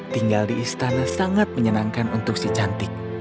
tinggal di istana sangat menyenangkan untuk si cantik